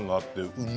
うん！